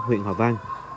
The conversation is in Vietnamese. huyện hòa vang